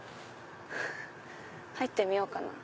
入ってみようかな。